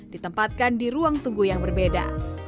ditempatkan di ruang tunggu yang berbeda